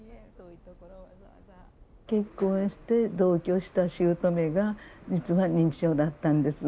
結婚して同居した姑が実は認知症だったんです。